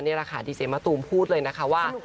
ดีเจมส์มาตูมพูดเลยว่า